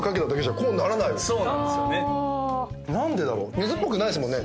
水っぽくないですもんね